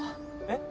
えっ？